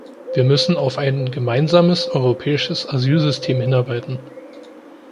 Wir müssen auf ein gemeinsames europäisches Asylsystem hinarbeiten.